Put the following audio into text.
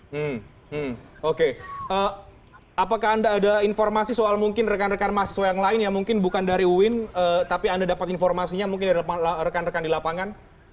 hmm oke apakah anda ada informasi soal mungkin rekan rekan mahasiswa yang lain yang mungkin bukan dari uin tapi anda dapat informasinya mungkin dari rekan rekan di lapangan